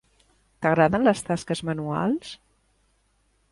T'agraden les tasques manuals?